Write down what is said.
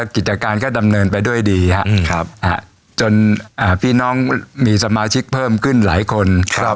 กิจการก็ดำเนินไปด้วยดีจนพี่น้องมีสมาชิกเพิ่มขึ้นหลายคน